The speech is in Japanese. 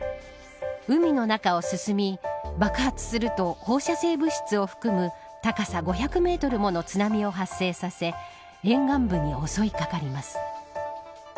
海の中を進み爆発すると放射性物質を含む高さ５００メートルもの津波を発生させ沿岸部に襲いかかります。